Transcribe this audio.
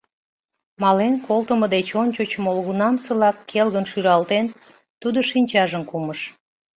Мален колтымо деч ончыч молгунамсылак келгын шӱлалтен, тудо шинчажым кумыш.